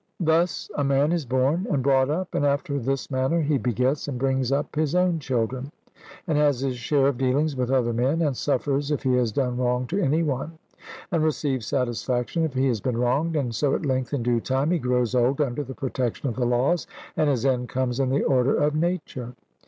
Thus a man is born and brought up, and after this manner he begets and brings up his own children, and has his share of dealings with other men, and suffers if he has done wrong to any one, and receives satisfaction if he has been wronged, and so at length in due time he grows old under the protection of the laws, and his end comes in the order of nature.